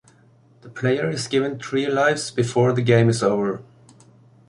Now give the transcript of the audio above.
The player is given three lives before the game is over.